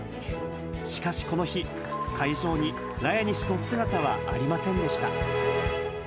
しかし、この日、会場にラヤニ氏の姿はありませんでした。